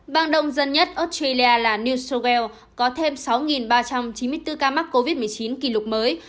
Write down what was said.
bang đông dân nhất australia là new south wales có thêm sáu ba trăm chín mươi bốn ca mắc covid một mươi chín kỷ lục mới